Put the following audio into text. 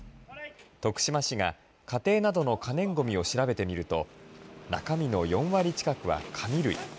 徳島市が家庭などの可燃ごみを調べてみると、中身の４割近くは紙類。